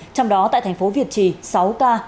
trong đó tại thành phố việt trì sáu ca